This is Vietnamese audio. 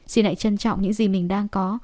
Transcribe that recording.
xin hãy trân trọng những gì mình đang có